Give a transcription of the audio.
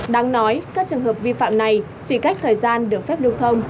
đáng nói các trường hợp vi phạm này chỉ cách thời gian được phép lưu thông